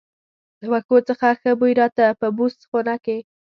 له وښو څخه ښه بوی راته، په بوس خونه کې.